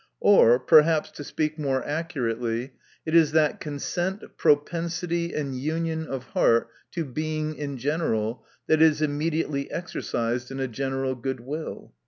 Or perhaps to speak more accurately, it is that consent, propensity and union of heart to Being in general, that is immediately exercised in a general good will.